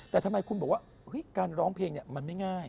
แต่ทำไมคุณบอกว่าการร้องเพลงมันไม่ง่าย